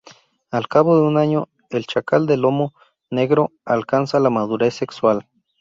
Al cabo de un año, el chacal de lomo negro alcanza la madurez sexual.